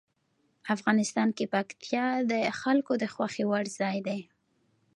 افغانستان کې پکتیا د خلکو د خوښې وړ ځای دی.